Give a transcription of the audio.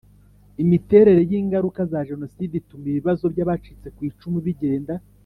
Imiterere y ingaruka za Jenoside ituma ibibazo by abacitse ku icumu bigenda